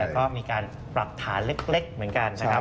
ก็มีการปรับฐานเล็กเหมือนกัน